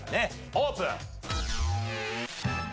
オープン。